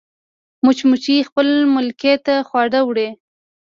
مچمچۍ خپل ملکې ته خواړه وړي